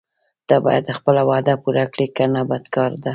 ته باید خپله وعده پوره کړې کنه بد کار ده.